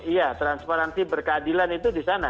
iya transparansi berkeadilan itu disana